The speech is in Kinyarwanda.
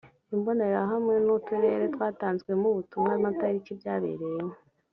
imbonerahamwe no uturere twatanzwemo ubutumwa n amatariki byabereyeho